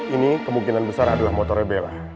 ini kemungkinan besar adalah motornya bella